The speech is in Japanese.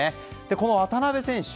この渡邉選手